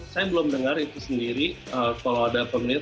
saya belum dengar itu sendiri kalau ada pemilik